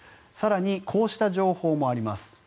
更にこうした情報もあります。